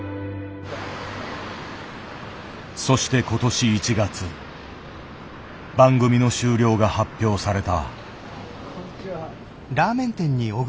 そして今年１月番組の終了が発表された。